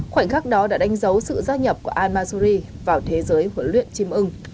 khoảnh khắc đó đã đánh dấu sự gia nhập của al masuri vào thế giới huấn luyện chim ưng